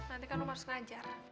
nanti kan lo harus ngajar